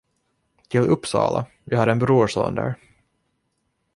Till Uppsala, vi har en brorson där.